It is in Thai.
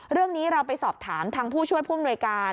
เรื่องนี้เราไปสอบถามทางผู้ช่วยผู้อำนวยการ